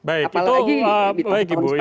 apalagi di tahun seperti ini